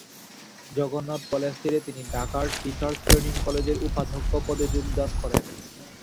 Jagannath college ছেড়ে তিনি ঢাকার টিচার্স ট্রেনিং কলেজের উপাধ্যক্ষ পদে যোগদান করেন।